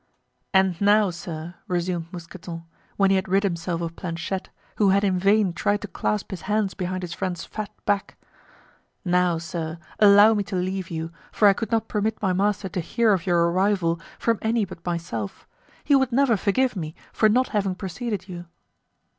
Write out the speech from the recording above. "And now, sir," resumed Mousqueton, when he had rid himself of Planchet, who had in vain tried to clasp his hands behind his friend's fat back, "now, sir, allow me to leave you, for I could not permit my master to hear of your arrival from any but myself; he would never forgive me for not having preceded you."